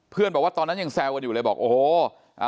บอกว่าตอนนั้นยังแซวกันอยู่เลยบอกโอ้โห